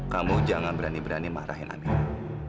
kamu jangan berani berani marahin amiran